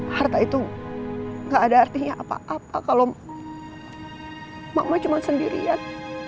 harta itu gak ada artinya apa apa kalau emak emak cuma sendirian